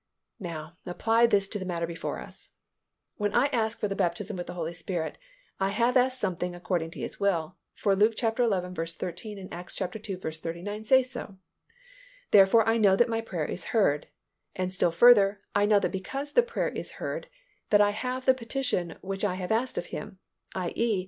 Now apply this to the matter before us. When I ask for the baptism with the Holy Spirit, I have asked something according to His will, for Luke xi. 13 and Acts ii. 39 say so, therefore I know my prayer is heard, and still further I know because the prayer is heard that I have the petition which I have asked of Him, _i. e.